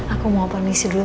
aku mau ponisi dulu